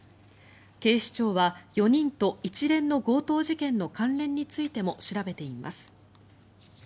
警視庁は４人と一連の強盗事件の関連についても調べています。